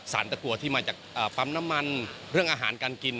ตะกัวที่มาจากปั๊มน้ำมันเรื่องอาหารการกิน